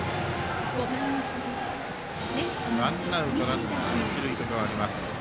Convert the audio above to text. ワンアウト、ランナー、一塁へと変わります。